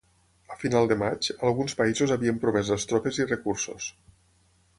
Al final de maig, alguns països havien promès les tropes i recursos.